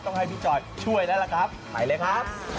ให้พี่จอดช่วยแล้วล่ะครับไปเลยครับ